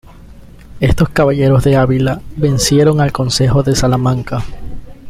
Estos caballeros de Ávila vencieron al concejo de Salamanca.